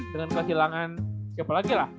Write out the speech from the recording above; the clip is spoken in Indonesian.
dengan kehilangan siapa lagi lah